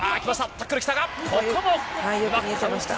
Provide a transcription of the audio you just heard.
タックルきたか。